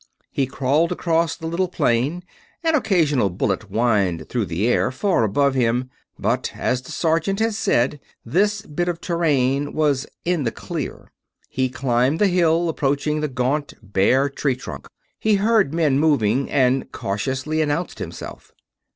He crawled across the little plain. An occasional bullet whined through the air, far above him; but, as the sergeant had said, this bit of terrain was "in the clear." He climbed the hill, approached the gaunt, bare tree trunk. He heard men moving, and cautiously announced himself.